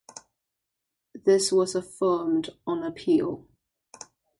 This was affirmed on appeal.